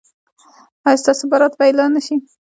ایا ستاسو برات به اعلان نه شي؟